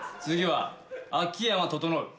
次は秋山整。